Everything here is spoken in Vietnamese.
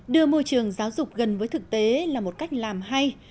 đưa môi trường giáo dục gần với thực tế là một cách làm hay